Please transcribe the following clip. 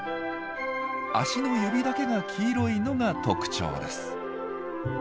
足の指だけが黄色いのが特徴です。